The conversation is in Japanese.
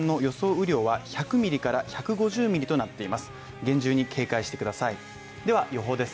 雨量は１００ミリから１５０ミリとなっています。